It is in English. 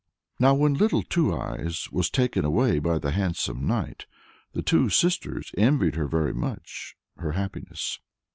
Now, when Little Two Eyes was taken away by the handsome knight, the two sisters envied her very much her happiness.